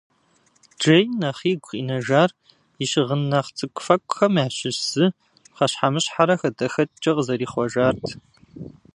Джейн нэхъ игу къинэжар и щыгъын нэхъ цӏыкӏуфэкӏухэм ящыщ зы пхъэщхьэмыщхьэрэ хадэхэкӏкӏэ къызэрихъуэжарт.